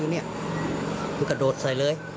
มันเอ่ยเงินมาแล้ว